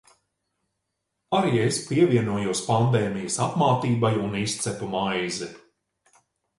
Arī es pievienojos pandēmijas apmātībai un izcepu maizi.